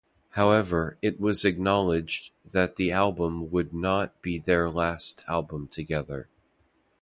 However, it was acknowledged that the album would not be their last album together.